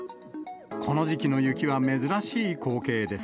この時期の雪は珍しい光景です。